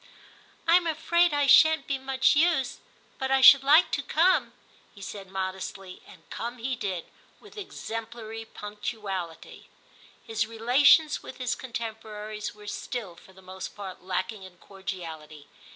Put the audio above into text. * Tm afraid I shan't be much use, but I should like to come,* he said modestly, and come he did with exemplary punctuality. His relations with his contemporaries were still, for the most part, lacking in cordiality.